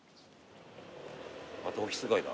またオフィス街だ。